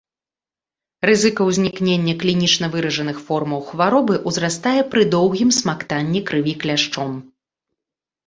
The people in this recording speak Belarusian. Рызыка ўзнікнення клінічна выражаных формаў хваробы ўзрастае пры доўгім смактанні крыві кляшчом.